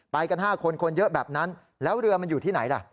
กัน๕คนคนเยอะแบบนั้นแล้วเรือมันอยู่ที่ไหนล่ะ